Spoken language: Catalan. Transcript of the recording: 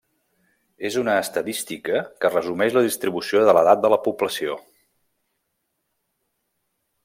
És una estadística que resumeix la distribució de l'edat de la població.